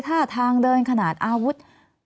ท่าทางเดินขนาดอาวุธ